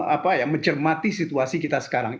apa ya mencermati situasi kita sekarang